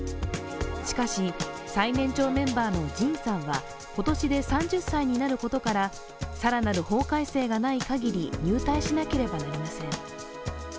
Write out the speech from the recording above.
しかし、最年長メンバーのＪＩＮさんは今年で３０歳になることから更なる法改正がない限り、入隊しなければなりません。